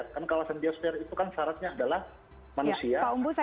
karena kawasan biosfer itu kan syaratnya adalah manusia alam dan kebudayaan